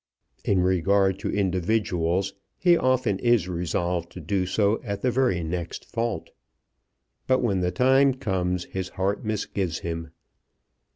In regard to individuals he often is resolved to do so at the very next fault. But when the time comes his heart misgives him.